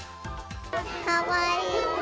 かわいい。